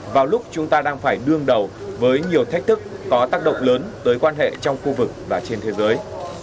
vào lúc chúng ta đang phải đương đầu với nhiều thách thức có tác động lớn tới quan hệ trong khu vực và trên thế giới